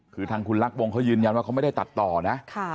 คือทางคุณลักวงเขายืนยันว่าเขาไม่ได้ตัดต่อนะ